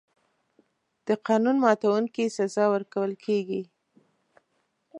د قانون ماتونکي سزا ورکول کېږي.